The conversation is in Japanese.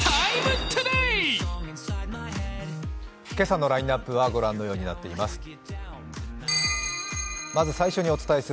今朝のラインナップは御覧のようになっています。